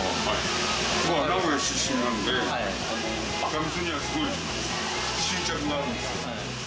僕は名古屋出身なので赤味噌には、すごい執着があるんですよ。